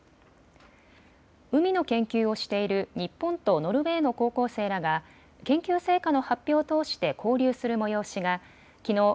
海の研究をしている日本とノルウェーの高校生らが研究成果の発表を通して交流する催しがきのう